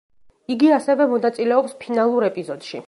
იგი ასევე მონაწილეობს ფინალურ ეპიზოდში.